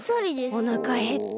おなかへった。